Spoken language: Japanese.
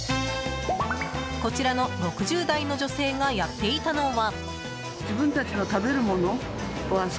こちらの６０代の女性がやっていたのは。